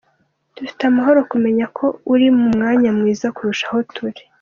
Dufite amahoro kumenya ko uri mu mwanya mwiza kurusha aho turi.